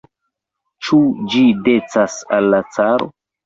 Ĉu ĝi decas al la caro?